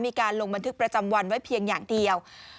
มีการลงบันทึกประจำวันไว้เพียงอย่างเดียว